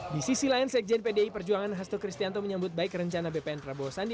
di sisi lain sekjen pdi perjuangan hasto kristianto menyambut baik rencana bpn prabowo sandi